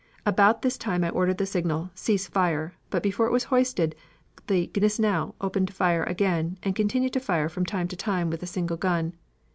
About this time I ordered the signal 'Cease fire,' but before it was hoisted, the Gneisenau opened fire again, and continued to fire from time to time with a single gun.